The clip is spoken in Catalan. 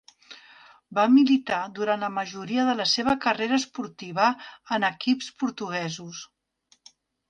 Va militar durant la majoria de la seva carrera esportiva en equips portuguesos.